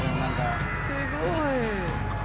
すごい。